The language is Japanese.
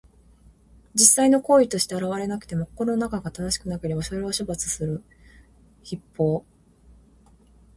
実際の行為として現れなくても、心の中が正しくなければ、それを処罰する筆法。